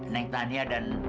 neng tania dan